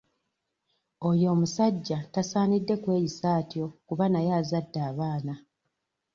Oyo omusajja tasaanidde kweyisa atyo kuba naye azadde abaana.